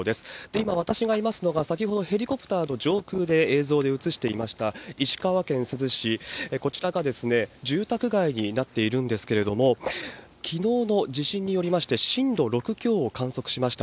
今、私がいますのは、先ほどヘリコプターの上空で映像で映していました、石川県珠洲市、こちらが住宅街になっているんですけれども、きのうの地震によりまして、深度６強を観測しました。